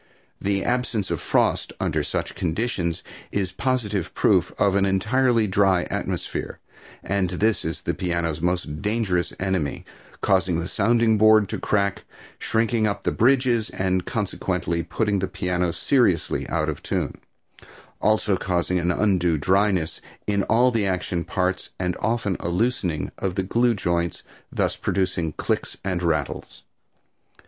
The absence of frost under such conditions is positive proof of an entirely dry atmosphere, and this is a piano's most dangerous enemy, causing the sounding board to crack, shrinking up the bridges, and consequently putting the piano seriously out of tune, also causing an undue dryness in all the action parts and often a loosening of the glue joints, thus producing clicks and rattles.